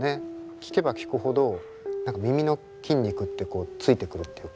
聴けば聴くほど耳の筋肉ってついてくるっていうか。